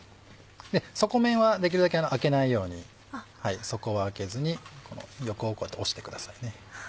底面はできるだけあけないように底はあけずに横をこうやって押してくださいね。